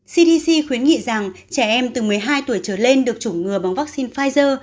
cdc khuyến nghị rằng trẻ em từ một mươi hai tuổi trở lên được chủng ngừa bằng vaccine pfizer